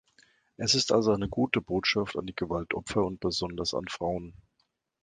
Es ist also eine gute Botschaft an die Gewaltopfer und besonders an Frauen.